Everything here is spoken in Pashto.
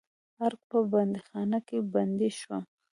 ارګ په بندیخانه کې بندي شوم.